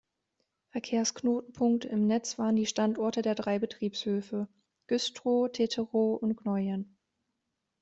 Verkehrsknotenpunkte im Netz waren die Standorte der drei Betriebshöfe: Güstrow, Teterow und Gnoien.